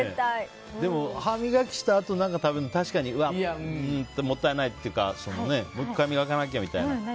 でも、歯磨きしたあと何か食べるのもったいないっていうかもう１回磨かなきゃみたいな。